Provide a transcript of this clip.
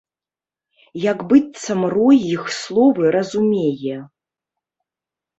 Як быццам рой іх словы разумее.